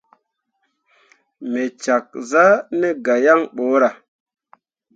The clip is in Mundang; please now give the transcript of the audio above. Me cak zah na gah yaŋ ɓorah.